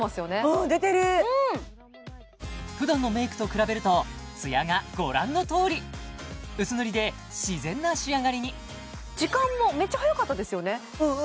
うん出てる普段のメイクと比べるとツヤがご覧のとおり薄塗りで自然な仕上がりに時間もめっちゃ早かったですよね